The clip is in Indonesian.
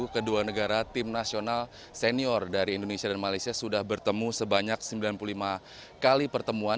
kedua negara tim nasional senior dari indonesia dan malaysia sudah bertemu sebanyak sembilan puluh lima kali pertemuan